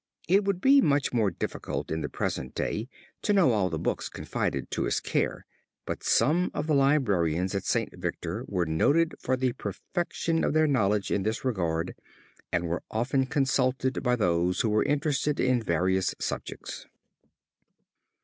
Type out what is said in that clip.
It would be much more difficult in the present day to know all the books confided to his care, but some of the librarians at St. Victor were noted for the perfection of their knowledge in this regard and were often consulted by those who were interested in various subjects.